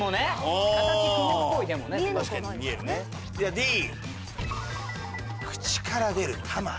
Ｄ「口から出る魂」。